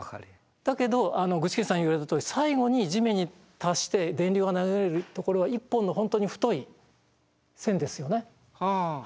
だけど具志堅さん言われたとおり最後に地面に達して電流が流れるところは１本の本当に太い線ですよね。